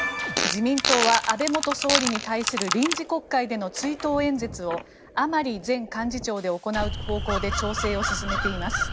自民党は安倍元総理に対する臨時国会での追悼演説を甘利前幹事長で行う方向で調整を進めています。